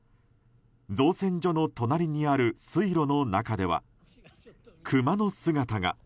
造船所の隣にある水路の中ではクマの姿が。